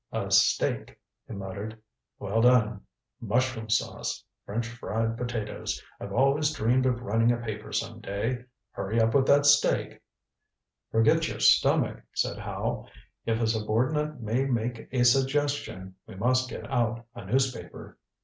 "A steak," he muttered. "Well done. Mushroom sauce. French fried potatoes. I've always dreamed of running a paper some day. Hurry up with that steak." "Forget your stomach," said Howe. "If a subordinate may make a suggestion, we must get out a newspaper.